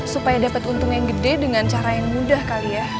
supaya dapat untung yang gede dengan cara yang mudah kali ya